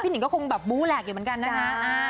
หิงก็คงแบบบู้แหลกอยู่เหมือนกันนะคะ